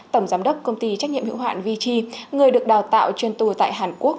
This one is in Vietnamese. tổng giám đốc công ty trách nhiệm hiệu hoạn vg người được đào tạo chuyên tù tại hàn quốc